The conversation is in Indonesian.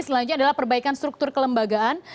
selanjutnya adalah perbaikan struktur kelembagaan